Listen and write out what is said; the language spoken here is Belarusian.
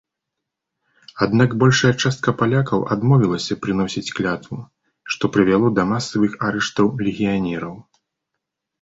Аднак большая частка палякаў адмовілася прыносіць клятву, што прывяло да масавых арыштаў легіянераў.